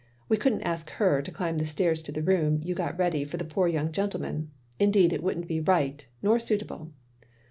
We couldn't ask her to climb the stairs to the room you got ready for the poor young gentleman. Indeed it would n't be right ; nor suitable."